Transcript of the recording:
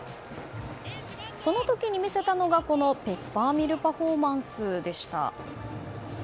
その時見せたのがペッパーミルパフォーマンスでした。